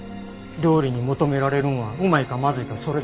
料理に求められるんはうまいかまずいかそれだけです。